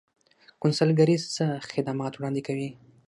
کونسلګرۍ څه خدمات وړاندې کوي؟